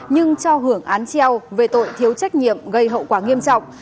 nhưng cho hưởng án treo về tội thiếu trách nhiệm gây hậu quả nghiêm trọng